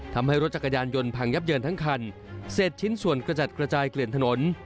ทำให้รถจักรยานยนต์พังยับเยินทั้งคันเศษชิ้นส่วนกระจัดกระจายเกลื่อนถนน